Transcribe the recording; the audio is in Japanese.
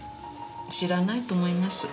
知らないと思います。